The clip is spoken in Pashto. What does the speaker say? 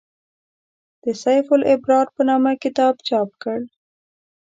د «سیف الابرار» په نامه کتاب چاپ کړ.